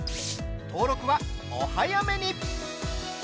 登録はお早めに。